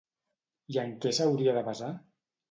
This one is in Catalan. I en què s'hauria de basar?